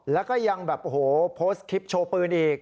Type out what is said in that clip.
แล้วก็ยังโพสต์คลิปโชว์ปืนอีก